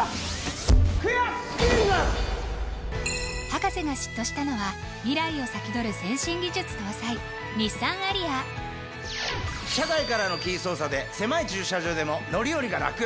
博士が嫉妬したのは未来を先取る先進技術搭載日産アリア車外からのキー操作で狭い駐車場でも乗り降りがラク！